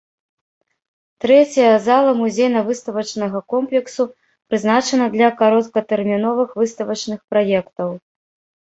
Трэцяя зала музейна-выставачнага комплексу прызначана для кароткатэрміновых выставачных праектаў.